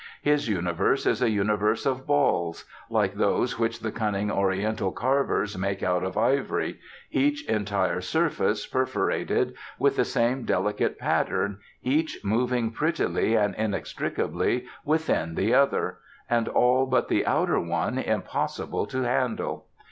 His universe is a universe of balls, like those which the cunning Oriental carvers make out of ivory; each entire surface perforated with the same delicate pattern, each moving prettily and inextricably within the other, and all but the outer one impossible to handle.